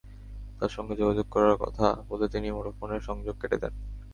তাঁর সঙ্গে যোগাযোগ করার কথা বলে তিনি মুঠোফোনের সংযোগ কেটে দেন।